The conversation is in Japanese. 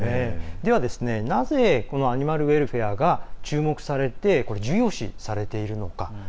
では、なぜアニマルウェルフェアが注目されて重要視されているのか。